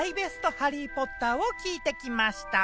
『ハリー・ポッター』を聞いてきました。